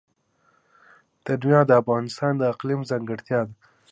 تنوع د افغانستان د اقلیم ځانګړتیا ده.